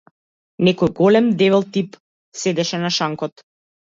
Некој голем, дебел тип седеше на шанкот.